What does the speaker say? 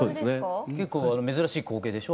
結構珍しい光景でしょ？